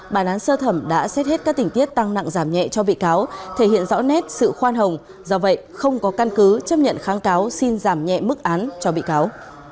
bản án sơ thẩm đã xét hết các tình tiết tăng nặng giảm nhẹ cho bị cáo thể hiện rõ nét sự khoan hồng do vậy không có căn cứ chấp nhận kháng cáo xin giảm nhẹ mức án cho bị cáo